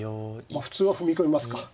普通は踏み込みますか。